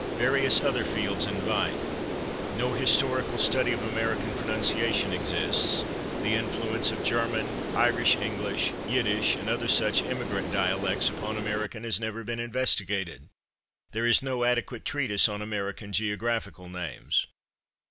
Various other fields invite. No historical study of American pronunciation exists; the influence of German, Irish English, Yiddish and other such immigrant dialects upon American has never been investigated; there is no adequate treatise on American geographical names.